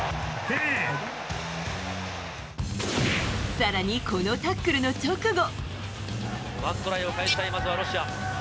更に、このタックルの直後。